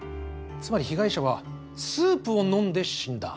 つまり被害者はスープを飲んで死んだ。